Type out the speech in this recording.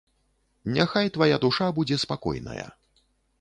Няхай твая душа будзе спакойная.